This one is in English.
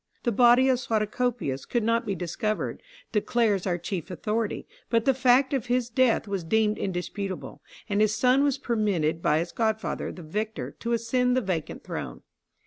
The body of Suatocopius could not be discovered, declares our chief authority, but the fact of his death was deemed indisputable, and his son was permitted by his godfather, the victor, to ascend the vacant throne.